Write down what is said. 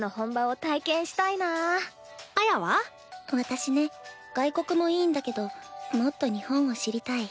私ね外国もいいんだけどもっと日本を知りたい。